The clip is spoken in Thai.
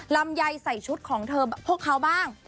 ลำไยใส่ชุดของเธอพวกเขาบ้าง